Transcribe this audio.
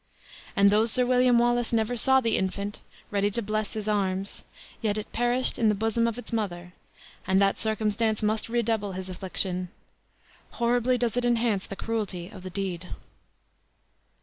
And though Sir William Wallace never saw the infant, ready to bless his arms, yet it perished in the bosom of its mother; and that circumstance must redouble his affliction; horribly does it enhance the cruelty of the deed!"